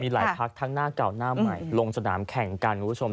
หลายพักทั้งหน้าเก่าหน้าใหม่ลงสนามแข่งกันคุณผู้ชม